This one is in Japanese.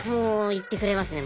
言ってくれますね。